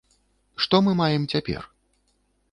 Што мы маем цяпер?